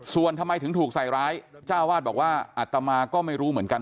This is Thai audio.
ส่วนทำไมถึงถูกใส่ร้ายเจ้าวาดบอกว่าอัตมาก็ไม่รู้เหมือนกัน